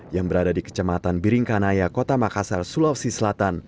yang berada di kecamatan biringkanaya kota makassar sulawesi selatan